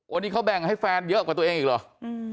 วันนี้เขาแบ่งให้แฟนเยอะกว่าตัวเองอีกเหรอ